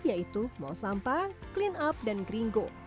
yaitu monsampa clean up dan kringo